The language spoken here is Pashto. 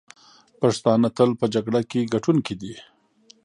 پښتانه تل په جګړه کې ګټونکي دي.